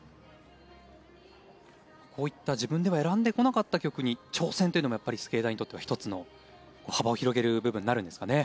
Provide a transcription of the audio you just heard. こういった自分では選んでこなかった曲に挑戦というのもスケーターにとっては１つの幅を広げる部分になるんですかね。